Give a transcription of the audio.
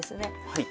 はい。